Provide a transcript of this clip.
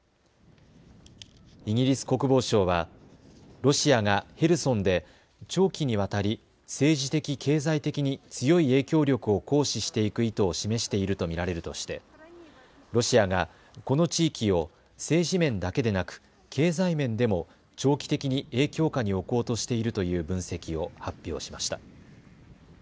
イギリス国防省はロシアがヘルソンで長期にわたり政治的、経済的に強い影響力を行使していく意図を示していると見られるとしてロシアがこの地域を政治面だけでなく経済面でも長期的に影響下に置こうとしているという分析を発表しました。